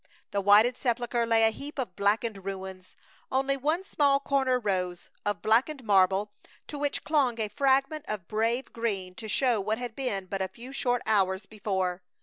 The whited sepulcher lay a heap of blackened ruins. Only one small corner rose, of blackened marble, to which clung a fragment of brave green to show what had been but a few short hours before.